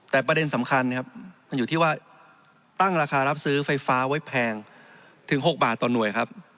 แต่ประเด็นสำคัญนะครับมันอยู่ที่ว่าตั้งราคารับซื้อไฟฟ้าไว้แพงถึง๖บาทต่อหน่วยครับ